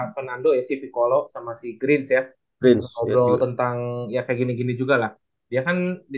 penando ya sih vickolo sama si green surf problems tentang ya kayak gini gini juga lah dia kan di